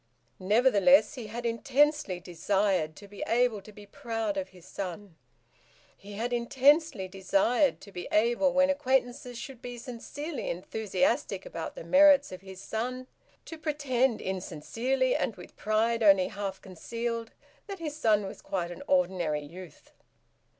Nevertheless, he had intensely desired to be able to be proud of his son. He had intensely desired to be able, when acquaintances should be sincerely enthusiastic about the merits of his son, to pretend, insincerely and with pride only half concealed, that his son was quite an ordinary youth.